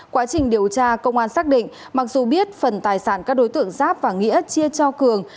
quá trình điều tra công an xác định mặc dù biết phần tài sản các đối tượng giáp và nghĩa chia cho cường